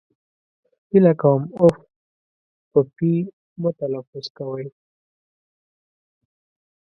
هیله کوم اف په پي مه تلفظ کوی!